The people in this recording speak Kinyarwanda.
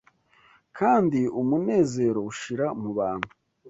kandi umunezero ushira mu bantu